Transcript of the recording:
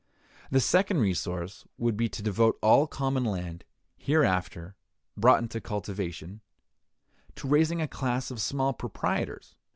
The second resource would be to devote all common land, hereafter brought into cultivation, to raising a class of small proprietors.